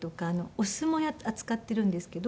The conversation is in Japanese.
お酢も扱ってるんですけど。